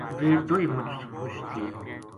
ویہ دوئے مُچ خوش تھی